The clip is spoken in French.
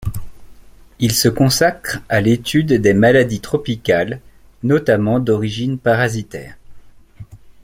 Il se consacre à l’étude des maladies tropicales, notamment d’origine parasitaire.